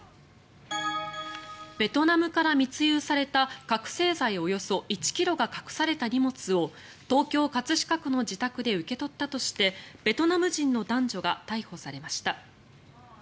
ベトナムから密輸された覚醒剤およそ１ｋｇが隠された荷物を東京・葛飾区の自宅で受け取ったとしてベトナム人の男女が逮捕されました。